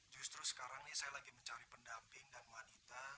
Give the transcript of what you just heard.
justru sekarang ini saya lagi mencari pendamping dan wanita